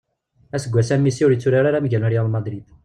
Aseggas-a Messi ur yetturar ara mgal Real Madrid.